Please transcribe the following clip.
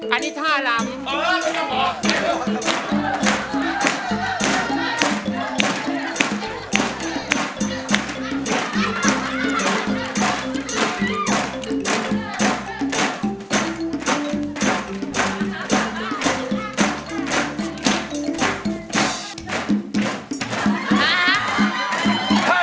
อันนี้ท่าลำ